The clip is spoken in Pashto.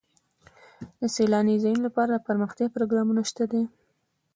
د سیلاني ځایونو لپاره دپرمختیا پروګرامونه شته دي.